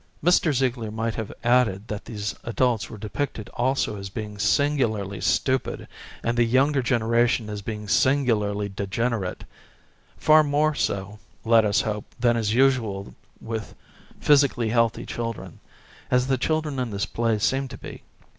Mr. Ziegler might have added that these adults were depicted also as being singularly stupid, and the younger generation as being singularly degenerate ; far more so, let up hope, than is usual with physically healthy children, as the children in this play seem to be.